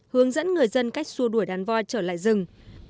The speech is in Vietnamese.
hướng dẫn người dân cách xua đuổi đàn voi trở lại rừng